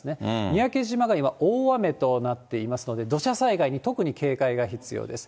三宅島が今、大雨となっていますので、土砂災害に特に警戒が必要です。